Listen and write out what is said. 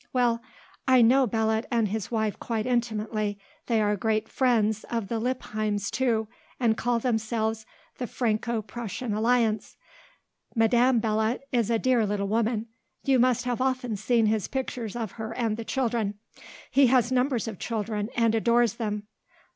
Well, I know Belot and his wife quite intimately. They are great friends of the Lippheims, too, and call themselves the Franco Prussian alliance. Madame Belot is a dear little woman. You must have often seen his pictures of her and the children. He has numbers of children and adores them.